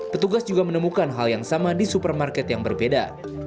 petugas juga menemukan hal yang sama di supermarket yang berbeda